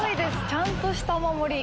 ちゃんとしたお守り。